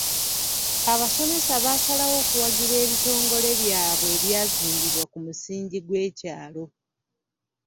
Abasomesa baasalawo okuwagira ebitongole byabwe ebyazimbibwa ku musingi gw'ekyalo.